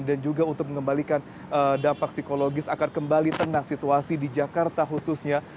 juga untuk mengembalikan dampak psikologis akan kembali tenang situasi di jakarta khususnya